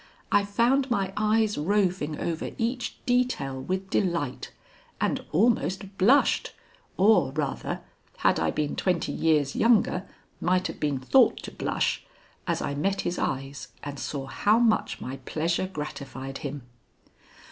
I found my eyes roving over each detail with delight, and almost blushed, or, rather, had I been twenty years younger might have been thought to blush, as I met his eyes and saw how much my pleasure gratified him.